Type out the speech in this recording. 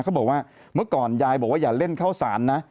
เขาบอกว่าเมื่อก่อนยายบอกว่าอย่าเล่นเข้าสารนะ